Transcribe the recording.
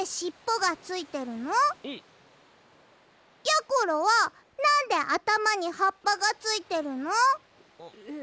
やころはなんであたまにはっぱがついてるの？え。